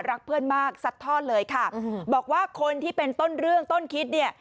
รักเพื่อนมากซัดทอดเลยค่ะบอกว่าคนที่เป็นต้นเรื่องต้นคิดเนี่ย